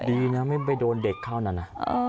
ดีนะไม่ไปโดนเด็กเข้านั่นนะ